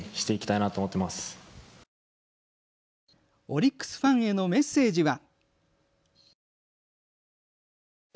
オリックスファンへのメッセージは。